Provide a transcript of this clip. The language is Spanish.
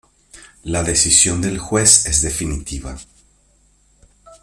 La decisión del juez es definitiva.